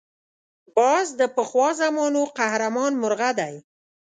باز د پخوا زمانو قهرمان مرغه دی